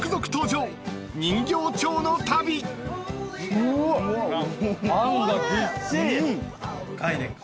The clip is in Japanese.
うわっあんがぎっしり。